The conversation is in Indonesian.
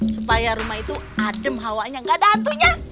supaya rumah itu adem hawanya nggak ada hantunya